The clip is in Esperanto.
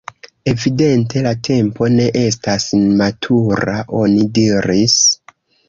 “Evidente la tempo ne estas matura,” oni diris.